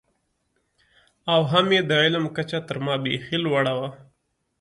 او هم یې د علم کچه تر ما بېخي لوړه وه.